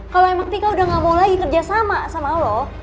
kalau emang tika udah nggak mau lagi kerja sama sama lo